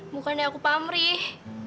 bukannya aku pamrih